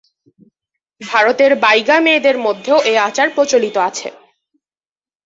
ভারতের বাইগা মেয়েদের মধ্যেও এ আচার প্রচলিত আছে।